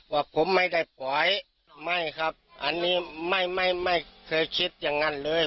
ว่าผมไม่ได้ปล่อยไม่ครับอันนี้ไม่ไม่ไม่เคยคิดอย่างนั้นเลย